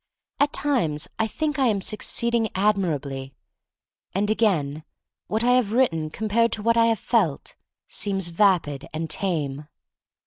At times I think I am succeeding admirably — and again, what I have written compared to what I have felt seems vapid and tame.